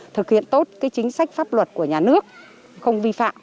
thực hiện tốt chính sách pháp luật của nhà nước không vi phạm